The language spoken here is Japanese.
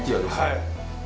はい。